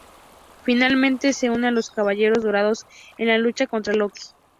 Finalmente se une a los Caballeros Dorados en la lucha contra Loki.